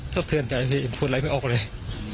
จะแท้ใจพูดอะไรไม่ออกเลย